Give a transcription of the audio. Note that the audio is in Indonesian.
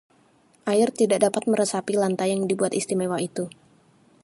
air tidak dapat meresapi lantai yang dibuat istimewa itu